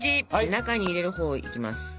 中に入れるほうをいきます。